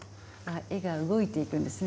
絵が動いていくんですね。